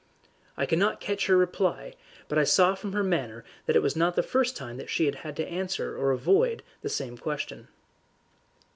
I could not catch her reply, but I saw from her manner that it was not the first time that she had had to answer or avoid the same question.